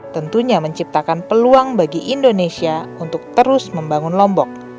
tentunya menciptakan peluang bagi indonesia untuk terus membangun lombok